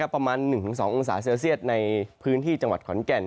ประมาณ๑๒องศาเซลเซียตในพื้นที่จังหวัดขอนแก่น